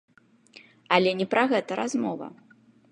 Але не пра гэта размова.